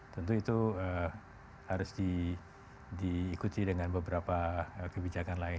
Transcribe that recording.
tentu itu harus diikuti dengan beberapa kebijakan lain